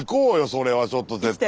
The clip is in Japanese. それはちょっと絶対。